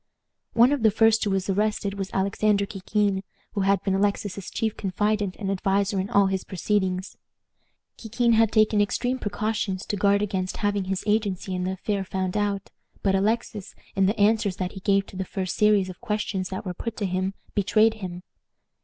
One of the first who was arrested was Alexander Kikin, who had been Alexis's chief confidant and adviser in all his proceedings. Kikin had taken extreme precautions to guard against having his agency in the affair found out; but Alexis, in the answers that he gave to the first series of questions that were put to him, betrayed him.